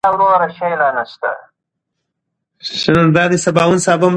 موږ باید خپلو ماشومانو ته دا ور زده کړو.